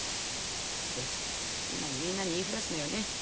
で今にみんなに言いふらすのよね。